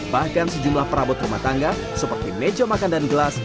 bahkan sejumlah perabot rumah tangga seperti meja makan dan gelas